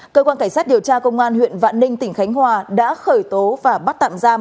cơ quan cảnh sát điều tra công an huyện vạn ninh tỉnh khánh hòa đã khởi tố và bắt tạm giam